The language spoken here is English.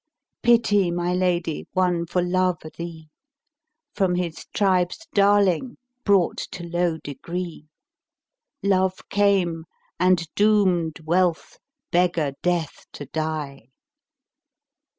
Pity, my lady, one for love o' thee * Prom his tribes darling brought to low degree: Love came and doomed Wealth beggar death to die.